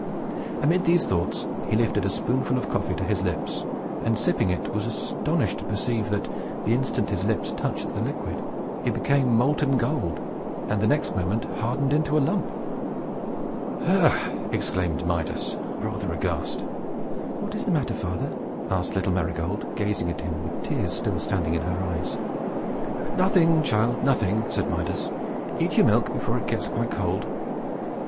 Amid these thoughts, he lifted a spoonful of coffee to his lips, and, sipping it, was astonished to perceive that, the instant his lips touched the liquid, it became molten gold, and, the next moment, hardened into a lump! "Ha!" exclaimed Midas, rather aghast. "What is the matter, father?" asked little Marygold, gazing at him, with the tears still standing in her eyes. "Nothing, child, nothing!" said Midas. "Eat your milk, before it gets quite cold."